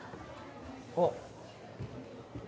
あっ。